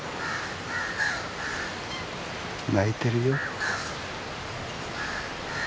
鳴いてるよ。